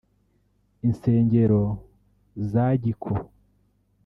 Insengero za Giko